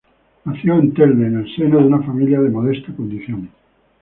Nació en Telde, en el seno de una familia de modesta condición.